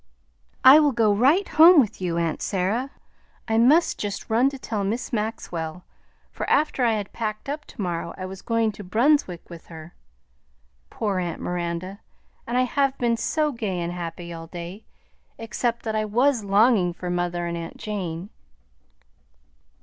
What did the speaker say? "I will go right home with you, aunt Sarah. I must just run to tell Miss Maxwell, for after I had packed up to morrow I was going to Brunswick with her. Poor aunt Miranda! And I have been so gay and happy all day, except that I was longing for mother and aunt Jane."